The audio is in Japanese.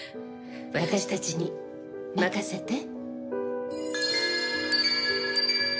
私たちに任せて。